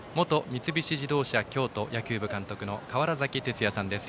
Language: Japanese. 三菱自動車京都野球部監督の川原崎哲也さんです。